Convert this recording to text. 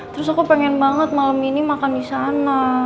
terus aku pengen banget malem ini makan disana